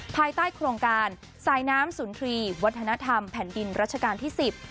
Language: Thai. ภายใต้โครงการสายน้ำศูนย์ทรีย์วัฒนธรรมแผ่นดินรัชกาลที่๑๐